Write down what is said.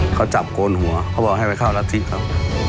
เขาจับโกนหัวเขาบอกให้ไปเข้ารัฐธิเขา